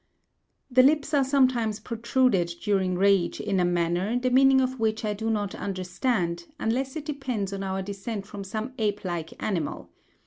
The lips are sometimes protruded during rage in a manner, the meaning of which I do not understand, unless it depends on our descent from some ape like animal.